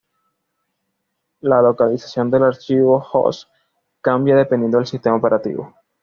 La localización del archivo hosts cambia dependiendo del sistema operativo.